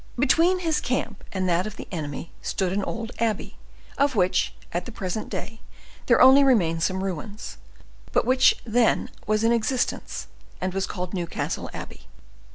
Between his camp and that of the enemy stood an old abbey, of which, at the present day, there only remain some ruins, but which then was in existence, and was called Newcastle Abbey.